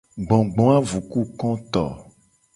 Gbogboavukukoto.